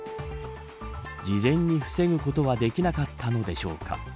事前に防ぐことはできなかったのでしょうか。